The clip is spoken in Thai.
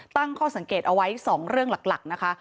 ตั้งข้อสังเกตเอาไว้๒เรื่องหลักนะคะ